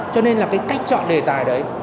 cho nên là cái cách chọn đề tài đấy